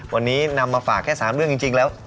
วันนี้นำมาฝากแค่๓เรื่องจริงแล้ว